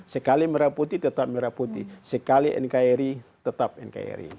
sekali merah putih tetap merah putih sekali nkri tetap nkri